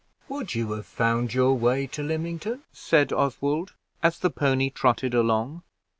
"Would you have found your way to Lymington?" said Oswald, as the pony trotted along.